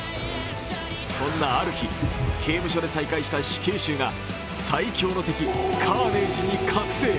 そんなある日、刑務所で再会した死刑囚が最凶の敵、カーネイジに覚醒。